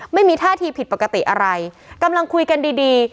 ไม่มีท่าทีผิดปกติอะไรกำลังคุยกันดีดี